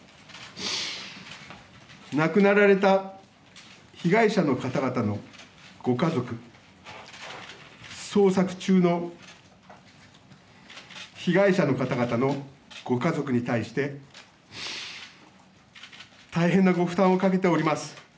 亡くなられた被害者の方々のご家族、捜索中の被害者の方々のご家族に対して大変なご負担をかけております。